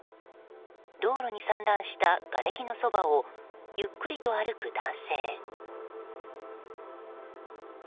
道路に散乱したがれきのそばをゆっくりと歩く男性。